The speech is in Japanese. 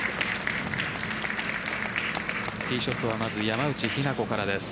ティーショットはまず山内日菜子からです。